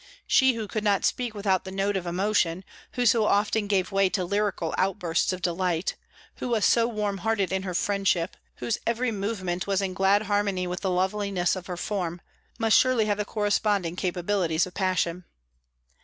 She who could not speak without the note of emotion, who so often gave way to lyrical outbursts of delight, who was so warm hearted in her friendship, whose every movement was in glad harmony with the loveliness of her form, must surely have the corresponding capabilities of passion.